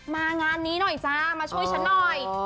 งานนี้หน่อยจ้ามาช่วยฉันหน่อย